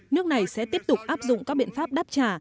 nước này sẽ tiếp tục áp dụng các biện pháp đáp trả